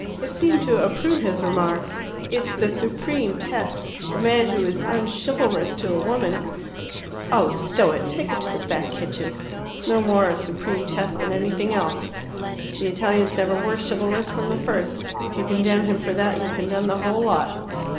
It seemed to approve his remark. "It's the supreme test. The man who is unchivalrous to a woman " "Oh, stow it! Take it to the Back Kitchen. It's no more a supreme test than anything else. The Italians never were chivalrous from the first. If you condemn him for that, you'll condemn the whole lot."